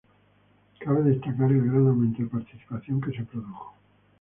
Cabe destacar el gran aumento de participación que se produjo.